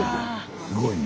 すごいな。